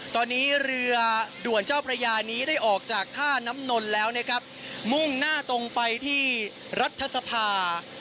ตอนนี้เรือด่วนเจ้าพระยานี้ได้ออกจากท่าน้ำนนแล้วนะครับมุ่งหน้าตรงไปที่รัฐสภา